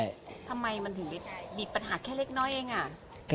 ทำไมมันถึงได้มีปัญหาแค่เล็กน้อยเองอ่ะ